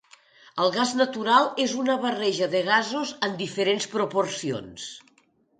El gas natural és una barreja de gasos en diferents proporcions.